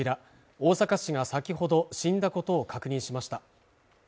大阪市が先ほど死んだことを確認しました